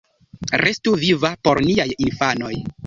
Restu viva por niaj infanoj!